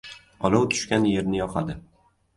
• Olov tushgan yerni yoqadi.